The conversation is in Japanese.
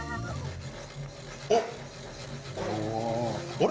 あれ？